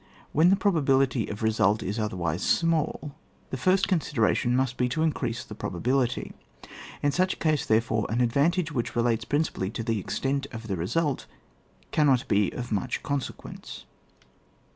When the probability of the re sult is otherwise small, the first considera tion must be to increase the probability ; in such a case, therefore, an advantage which relates principally to the extent of the result cannot be of much conse quence.